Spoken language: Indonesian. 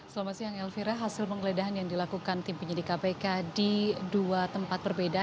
selamat siang elvira hasil penggeledahan yang dilakukan tim penyidik kpk di dua tempat berbeda